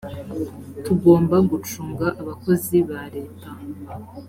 tugomba gucunga abakozi ba leta